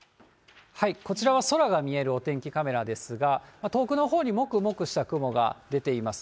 こちらは空が見えるお天気カメラですが、遠くのほうにもくもくした雲が出ています。